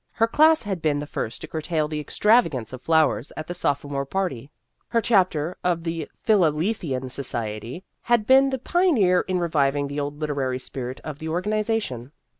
Her class had been The Career of a Radical 115 the first to curtail the extravagance of flowers at the Sophomore Party. Her chapter of the Philalethean Society had been the pioneer in reviving the old literary spirit of the organization.